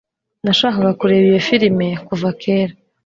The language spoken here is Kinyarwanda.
Nashakaga kureba iyo firime kuva kera